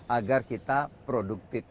agar kita produktif